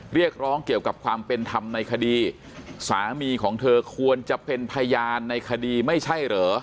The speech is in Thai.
เรียกร้องเกี่ยวกับความเป็นธรรมในคดีสามีของเธอควรจะเป็นพยานในคดีไม่ใช่เหรอ